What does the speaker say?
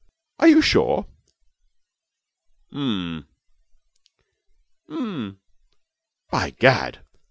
'Are you sure?' 'Mm mm.' 'By gad!'